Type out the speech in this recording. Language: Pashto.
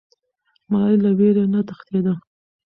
ملالۍ له ویرې نه تښتېده.